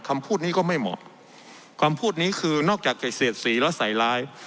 คำพูดนี้ก็ไม่เหมาะคำพูดนี้คือนอกจากจะเสียดสีแล้วใส่ร้าย